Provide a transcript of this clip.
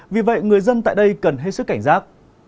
vì vậy người dân tại đây cần hết sức cảnh giác